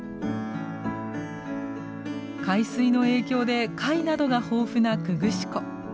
海水の影響で貝などが豊富な久々子湖。